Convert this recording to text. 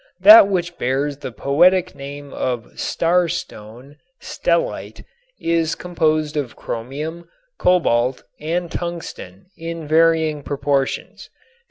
That which bears the poetic name of star stone, stellite, is composed of chromium, cobalt and tungsten in varying proportions.